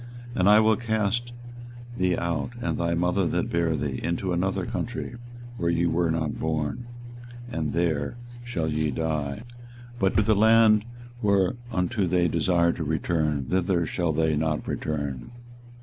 24:022:026 And I will cast thee out, and thy mother that bare thee, into another country, where ye were not born; and there shall ye die. 24:022:027 But to the land whereunto they desire to return, thither shall they not return.